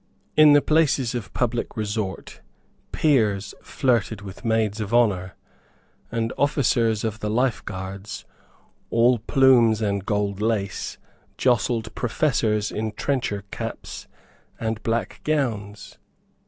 In the places of public resort peers flirted with maids of honour; and officers of the Life Guards, all plumes and gold lace, jostled professors in trencher caps and black gowns.